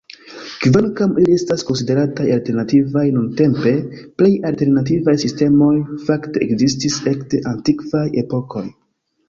Kvankam ili estas konsiderataj "alternativaj" nuntempe, plej alternativaj sistemoj fakte ekzistis ekde antikvaj epokoj.